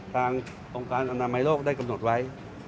องค์การอนามัยโลกได้กำหนดไว้